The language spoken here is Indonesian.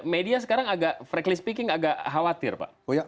media sekarang agak franky speaking agak khawatir pak